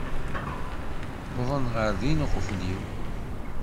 Wwḍen ɣer din uqbel-iw.